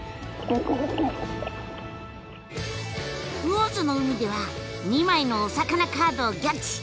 魚津の海では２枚のお魚カードをギョっち！